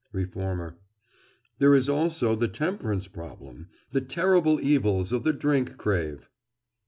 REFORMER: There is also the temperance problem—the terrible evils of the drink crave.